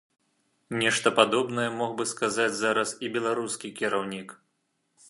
Нешта падобнае мог бы сказаць зараз і беларускі кіраўнік.